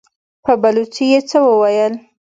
په بلوڅي يې څه وويل!